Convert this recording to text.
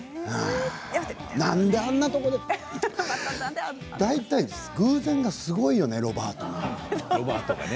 なんであんなところで偶然がすごいよねロバート。